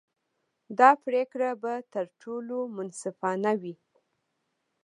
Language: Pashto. دا پرېکړه به تر ټولو منصفانه وي.